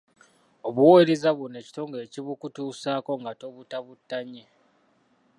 Obuweereza buno ekitongole kibukutuusaako nga tobutaabutanye.